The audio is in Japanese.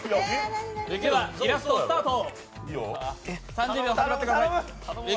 イラスト、スタート。